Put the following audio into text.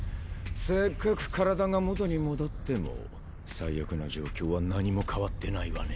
せっかく体が元に戻っても最悪な状況は何も変わってないわね。